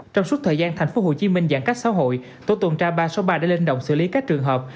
trong suốt thời gian thành phố hồ chí minh giãn cách xã hội tổ tuần tra ba trăm sáu mươi ba đã lên động xử lý các trường hợp